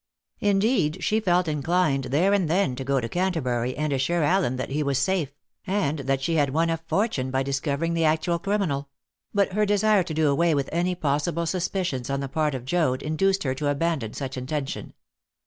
Indeed, she felt inclined there and then to go to Canterbury and assure Allen that he was safe, and that she had won a fortune by discovering the actual criminal; but her desire to do away with any possible suspicions on the part of Joad induced her to abandon such intention.